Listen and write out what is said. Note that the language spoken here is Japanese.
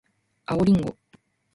青りんご